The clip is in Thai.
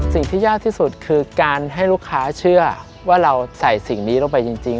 สิ่งที่ยากที่สุดคือการให้ลูกค้าเชื่อว่าเราใส่สิ่งนี้ลงไปจริง